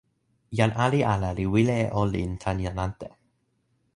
jan ali ala li wile e olin tan jan ante.